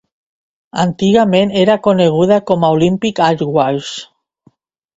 Antigament era coneguda com a Olympic Airways.